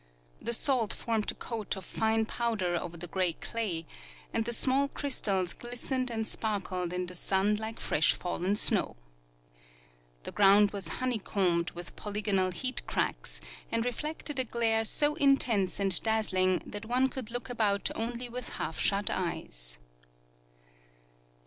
The salt formed a coat of fine powder over the gray clay, aiid the small crystals glistened and sparkled in the sun like fresh fallen snow. The ground was 166 Dr Johannes Walther — Tlie North American Deserts. honeycombed with polygonal heat cracks, and reflected a glare so intense and dazzling that one could look about only with half shut eyes.